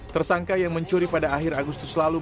tersangka yang mencuri pada akhir agustus lalu